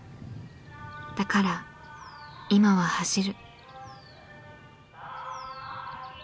だから今は走る。